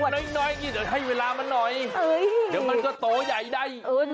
เห็นมันน้อยให้เวลามันน้อยเดี๋ยวมันก็โตใหญ่ได้